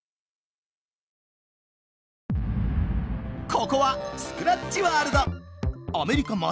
ここはスクラッチワールド！